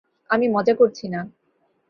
আমি মজা করছি না।